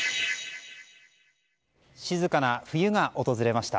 静かな冬が訪れました。